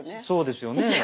そうですよね。